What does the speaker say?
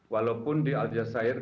walaupun di aljazeera